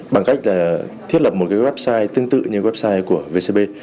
bằng cách là thiết lập một cái website tương tự như website của vcb